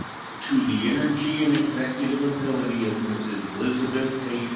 To the energy and executive ability of Mrs. Lizabeth A.